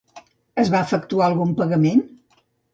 Es va efectuar algun pagament?